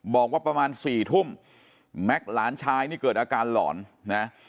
บอกว่าประมาณสี่ทุ่มแม็กซ์หลานชายนี่เกิดอาการหลอนนะ